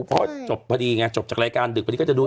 เพราะจบพอดีไงจบจากรายการดึกมานี้ก็จะเนาะ